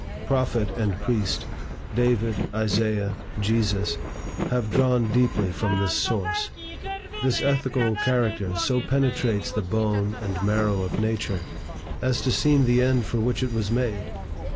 Prophet and priest, David, Isaiah, Jesus, have drawn deeply from this source. This ethical character so penetrates the bone and marrow of nature, as to seem the end for which it was made.